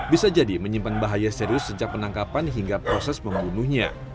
bisa jadi menyimpan bahaya serius sejak penangkapan hingga proses membunuhnya